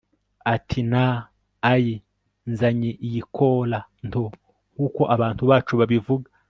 ati nna ayi. nzanye iyi kola nto. nkuko abantu bacu babivuga